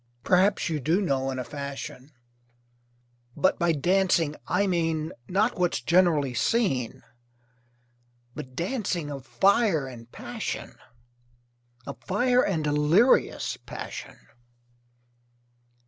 Perhaps, you do know, in a fashion; But by dancing I mean, Not what's generally seen, But dancing of fire and passion, Of fire and delirious passion.